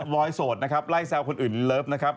บอยโสดนะครับไล่แซวคนอื่นเลิฟนะครับ